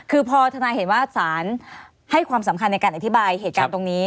คือพอทนายเห็นว่าสารให้ความสำคัญในการอธิบายเหตุการณ์ตรงนี้